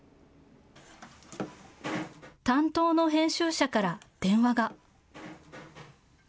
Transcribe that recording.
担当の編集者から電話が。